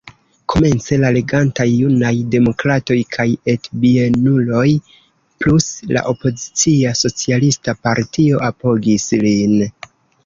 Komence la regantaj Junaj Demokratoj kaj Etbienuloj plus la opozicia Socialista Partio apogis lin.